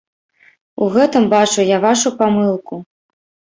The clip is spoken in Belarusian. У гэтым бачу я вашу памылку!